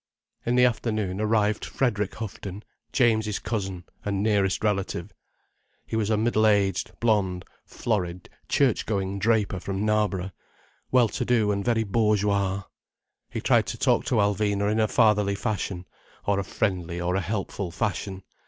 In the afternoon arrived Frederick Houghton, James's cousin and nearest relative. He was a middle aged, blond, florid, church going draper from Knarborough, well to do and very bourgeois. He tried to talk to Alvina in a fatherly fashion, or a friendly, or a helpful fashion.